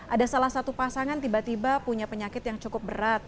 ada salah satu pasangan tiba tiba punya penyakit yang cukup berat